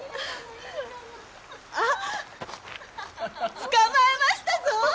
あっ捕まえましたぞ！